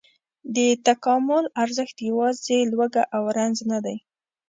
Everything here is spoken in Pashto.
د تکامل ارزښت یواځې لوږه او رنځ نه دی.